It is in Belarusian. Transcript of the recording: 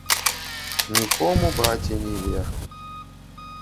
Нікому, браце, не вер.